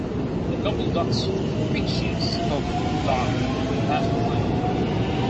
The Gobbledok's fictitious home was Dok the Potato Planet.